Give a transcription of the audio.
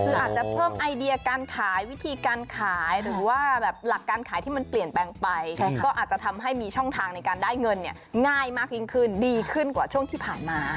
คืออาจจะเพิ่มไอเดียการขายวิธีการขายหรือว่าแบบหลักการขายที่มันเปลี่ยนแปลงไปก็อาจจะทำให้มีช่องทางในการได้เงินเนี่ยง่ายมากยิ่งขึ้นดีขึ้นกว่าช่วงที่ผ่านมา